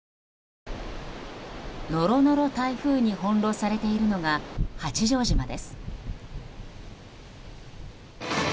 ノロノロ台風に翻弄されているのが八丈島です。